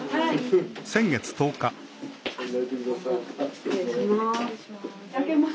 失礼します。